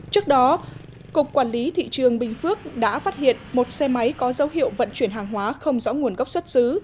trước đó cục quản lý thị trường bình phước đã phát hiện một xe máy có dấu hiệu vận chuyển hàng hóa không rõ nguồn gốc xuất xứ